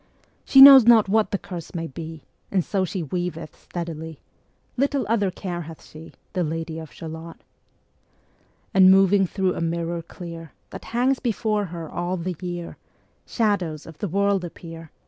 She knows not what the curse may be, And so she weaveth steadily, And little other care hath she, Ā Ā The Lady of Shalott. And moving thro' a mirror clear That hangs before her all the year, Shadows of the world appear.